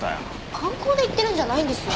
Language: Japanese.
観光で行ってるんじゃないですよ。